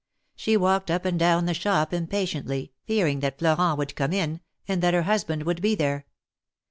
She walked up and down the shop impatiently, fearing that Florent would come in, and that her husband would be there.